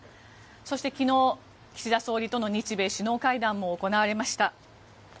そして、昨日岸田総理との日米首脳会談も行われました。